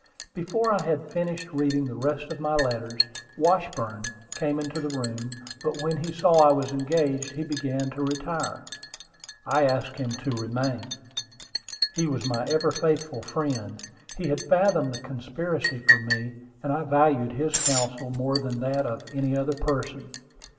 Before I had finished reading the rest of my letters, Washburn came into the room; but when he saw I was engaged, he began to retire. I asked him to remain. He was my ever faithful friend. He had fathomed the conspiracy against me, and I valued his counsel more than that of any other person.